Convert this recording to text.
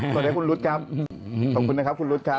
สวัสดีคุณรุ๊ดครับขอบคุณนะครับคุณรุ๊ดครับ